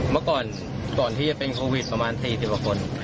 เมื่อก่อนก่อนที่จะเป็นโพวิตประมาณสี่สี่พวกคน